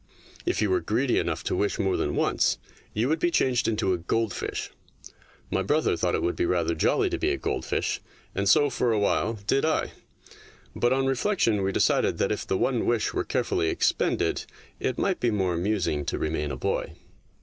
If you were greedy enough to wish more than once, you would be changed into a goldfish. My brother thought it would be rather jolly to be a goldfish, and so for a while did I ; but on reflection we decided that if the one wish were carefully expended it might be more amusing to remain a boy.